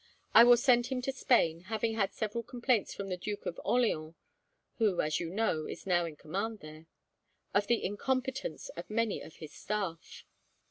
I will send him to Spain, having had several complaints from the Duke of Orleans" (who, as you know, is now in command there) "of the incompetence of many of his staff".